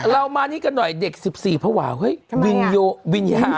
เรามานี่กันหน่อยเด็ก๑๔พวาเฮ้ยวินยาววินยาว